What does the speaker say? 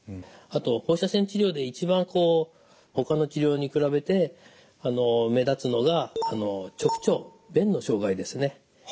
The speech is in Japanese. あと放射線治療で一番ほかの治療に比べて目立つのが直腸便の障害ですね。